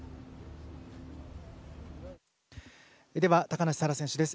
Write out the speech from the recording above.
では高梨沙羅選手です。